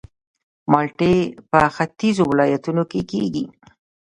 مالټې په ختیځو ولایتونو کې کیږي